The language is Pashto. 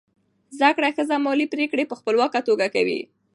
زده کړه ښځه مالي پریکړې په خپلواکه توګه کوي.